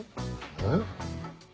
えっ？